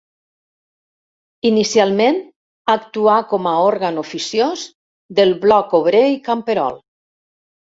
Inicialment actuà com a òrgan oficiós del Bloc Obrer i Camperol.